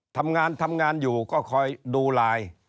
ทำงานทำงานอยู่ก็คอยดูไลน์